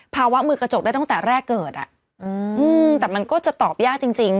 ภาวะมือกระจกได้ตั้งแต่แรกเกิดแต่มันก็จะตอบยากจริง